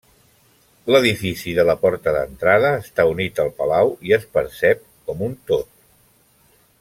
L'edifici de la porta d'entrada està unit al palau i es percep com un tot.